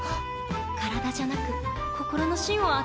体じゃなく心の芯を温めたい。